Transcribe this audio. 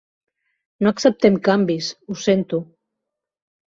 No acceptem canvis, ho sento.